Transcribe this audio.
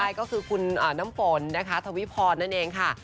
ใช่ก็คือคุณน้ำฝนนะคะทวิพรนั่นเองค่ะ